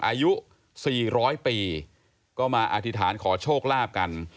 อายุสี่ร้อยปีก็มาอธิษฐานขอโชคลาบกัน